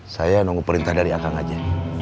saya nunggu perintah dari kang aja